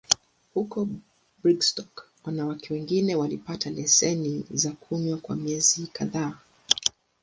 Huko Brigstock, wanawake wengine walipata leseni za kunywa kwa miezi kadhaa.